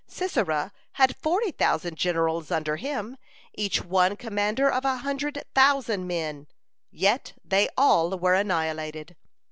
Sisera had forty thousand generals under him, each one commander of a hundred thousand men, yet they all were annihilated.